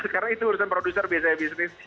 sekarang itu urusan produser biasanya bisnis